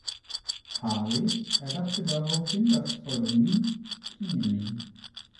Harley erdachte daraufhin das Pseudonym "Keeley".